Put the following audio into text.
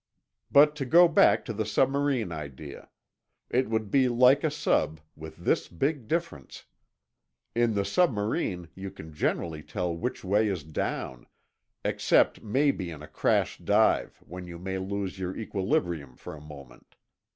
"But to go back to the submarine idea. It would be like a sub, with this big difference: In the submarine you can generally tell which way is down, except maybe in a crash dive when you may lose your equilibrium for a moment.